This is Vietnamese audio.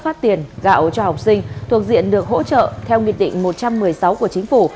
bà sơn đã phát tiền gạo cho học sinh thuộc diện được hỗ trợ theo quyết định một trăm một mươi sáu của chính phủ